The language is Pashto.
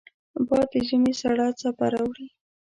باد د ژمې سړه څپه راوړي